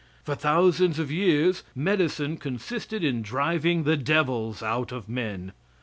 For thousands of years medicine consisted in driving the devils out of men.